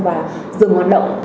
và dừng hoạt động